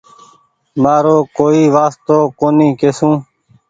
مآرو ڪوئي وآستو ڪونيٚ ڪسون